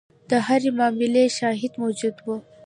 د هرې معاملې شواهد موجود وو.